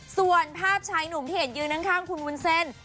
ส่วนภาพชายหนุ่มที่เห็นยืนข้างคุณวุ้นเส้น